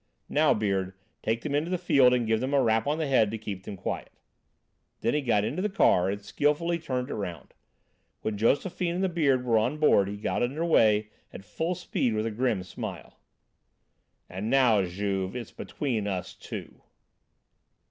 "Now, Beard, take them into the field and give them a rap on the head to keep them quiet." Then he got into the car and skilfully turned it round. When Josephine and the Beard were on board, he got under way at full speed with a grim smile. "And, now, Juve, it's between us two!"